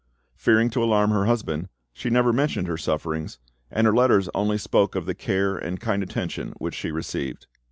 Fearing to alarm her husband, she never mentioned her sufferings, and her letters only spoke of the care and kind attention which she received.